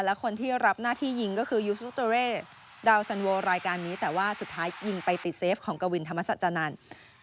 และคนที่รับหน้าที่ยิงก็คือยูซูโตเร่ดาวสันโวรายการนี้แต่ว่าสุดท้ายยิงไปติดเซฟของกวินธรรมสัจจานันทร์